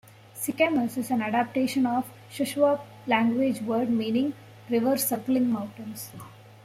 Sicamous is an adaptation of a Shuswap language word meaning "river circling mountains".